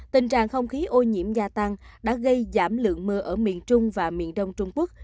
tình trạng không khí ô nhiễm gia tăng đã gây giảm lượng mưa ở miền trung và miền đông trung quốc